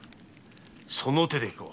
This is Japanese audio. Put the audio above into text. その手でいこう。